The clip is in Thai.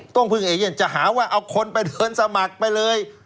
ต้องพึ่งเอเย่นจะหาว่าเอาคนไปเดินสมัครไปเลย